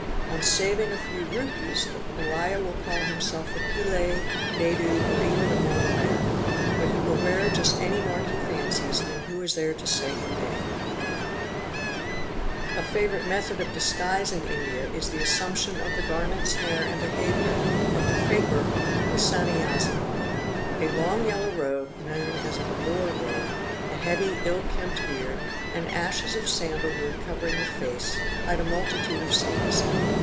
On saving a few rupees, the Pariah will call himself a Pillay, Naidu, or even a Mudaliar ; but he will wear just any mark he fancies, and who is there to say him nay ?__ A favourite method of disguise in India is the assumption of the garments, hair, and behaviour of the Fakir or Saniyasi. A long yellow robe known as an Ellore robe, a heavy ill kempt beard, and ashes of sandle wood covering the face, hide a multitude of sins.